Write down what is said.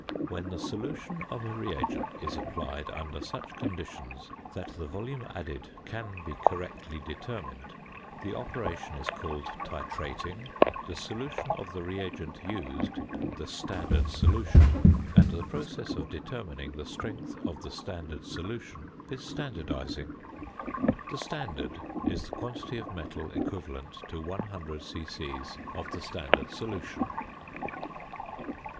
When the solution of a reagent is applied under such conditions that the volume added can be correctly determined, the operation is called "titrating," the solution of the reagent used the "standard solution," and the process of determining the strength of the standard solution is "standardising." The "standard" is the quantity of metal equivalent to 100 c.c. of the standard solution.